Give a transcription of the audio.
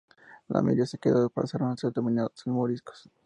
La mayoría se quedó y pasaron a ser denominados 'moriscos'.